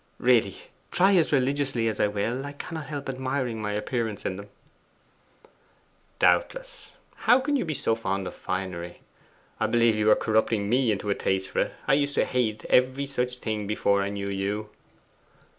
Really, try as religiously as I will, I cannot help admiring my appearance in them.' 'Doubtless. How can you be so fond of finery? I believe you are corrupting me into a taste for it. I used to hate every such thing before I knew you.